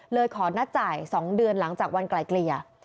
ขอนัดจ่าย๒เดือนหลังจากวันไกลเกลี่ย